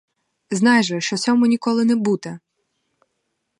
Знай же, що сьому ніколи не бути!